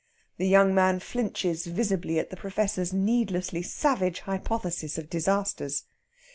The young man flinches visibly at the Professor's needlessly savage hypothesis of disasters.